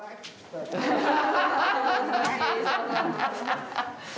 ハハハハ！